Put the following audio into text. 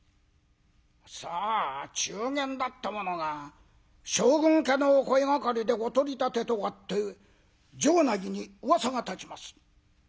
さあ中間だった者が将軍家のお声がかりでお取り立てとあって城内にうわさが立ちます。